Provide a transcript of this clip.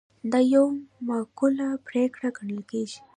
دا یوه معقوله پرېکړه ګڼل کیږي.